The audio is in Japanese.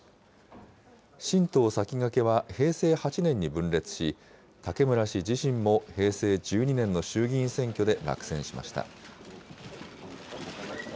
新党さきがけは平成８年に分裂し、武村氏自身も平成１２年の衆議院選挙で落選しました。